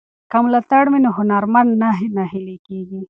که ملاتړ وي نو هنرمند نه نهیلی کیږي.